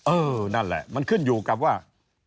เออนั่นแหละมันขึ้นอยู่กับว่า